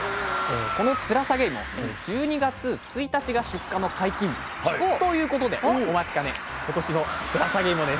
このつらさげ芋１２月１日が出荷の解禁日ということでお待ちかね今年のつらさげ芋です。